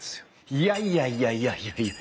いやいやいやいやいやいや。